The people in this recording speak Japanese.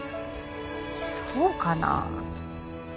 そうかな。